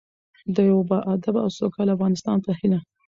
د یو باادبه او سوکاله افغانستان په هیله.